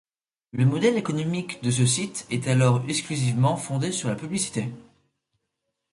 Le modèle économique de ce site est alors exclusivement fondé sur la publicité.